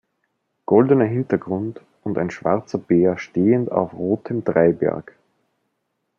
Goldener Hintergrund und ein schwarzer Bär stehend auf rotem Dreiberg.